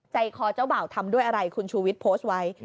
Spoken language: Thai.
ใจคอเจ้าบ่าวทำด้วยอะไรคุณชูวิทย์โพสต์ไว้